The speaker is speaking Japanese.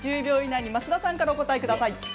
１０秒以内に増田さんからお答え下さい。